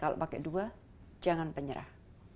kalau pakai dua jangan penyerah